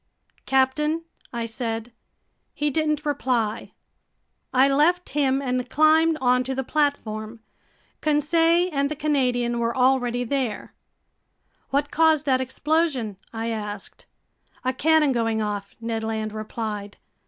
"Captain?" I said. He didn't reply. I left him and climbed onto the platform. Conseil and the Canadian were already there. "What caused that explosion?" I asked. "A cannon going off," Ned Land replied.